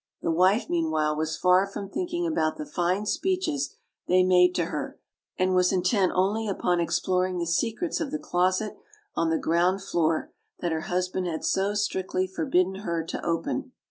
The wife, meanwhile, was far from thinking about the fine speeches they made to her, and was intent only upon exploring the secrets of the closet on the ground floor that her husband had so strictly forbidden her to open.